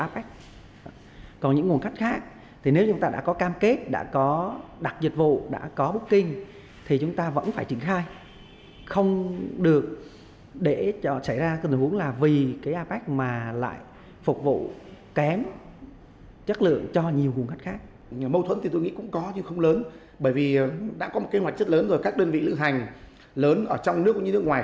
bởi vì đã có một kế hoạch rất lớn rồi các đơn vị lữ hành lớn ở trong nước cũng như nước ngoài